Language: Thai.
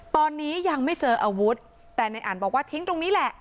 ตอนนี้ยังไม่เจออาวุธแต่ในอันบอกว่าทิ้งตรงนี้แหละ